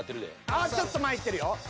ああっちょっと前いってるよ。